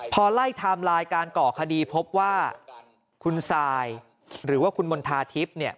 พอไล่ไทม์ไลน์การก่อคดีพบว่าคุณซายหรือว่าคุณมณฑาทิพย์